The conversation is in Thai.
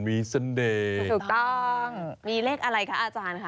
มีเลขอะไรคะอาจารย์ค่ะ